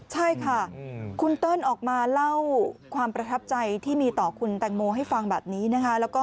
ใช่ค่ะคุณเติ้ลออกมาเล่าความประทับใจที่มีต่อคุณแตงโมให้ฟังแบบนี้นะคะ